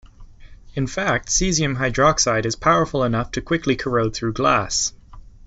In fact, caesium hydroxide is powerful enough to quickly corrode through glass.